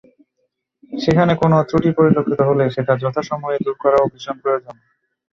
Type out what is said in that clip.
সেখানে কোনো ত্রুটি পরিলক্ষিত হলে সেটা যথাসময়ে দূর করাও ভীষণ প্রয়োজন।